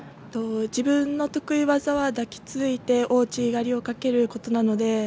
自分の得意技は抱きついて大内刈りをかけることなので。